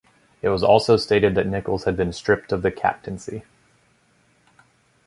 It was also stated that Nicholls had been stripped of the captaincy.